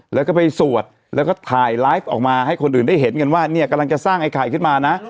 แล้วก็ไปสวดแล้วก็ถ่ายไลฟ์ออกมาให้คนอื่นได้เห็นกันว่าเนี่ยกำลังจะสร้างไอ้ไข่ขึ้นมานะ